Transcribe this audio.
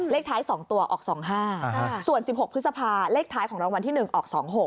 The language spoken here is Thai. เลขท้าย๒ตัวออก๒๕ส่วน๑๖พฤษภาเลขท้ายของรางวัลที่๑ออก๒๖